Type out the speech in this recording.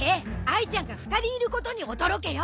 あいちゃんが２人いることに驚けよ！